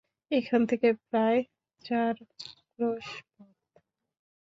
এখান থেকে প্রায় চার-ক্লোশ পথ।